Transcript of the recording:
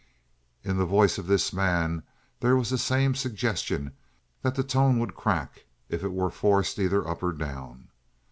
In the voice of this man there was the same suggestion that the tone would crack if it were forced either up or down.